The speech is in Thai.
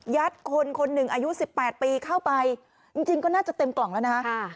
คนคนหนึ่งอายุ๑๘ปีเข้าไปจริงก็น่าจะเต็มกล่องแล้วนะคะ